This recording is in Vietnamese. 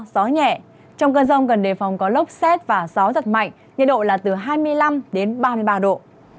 gió nhẹ trong cơn rông gần đề phòng có lốc xét và gió giật mạnh nhiệt độ là từ hai mươi năm đến ba mươi ba độ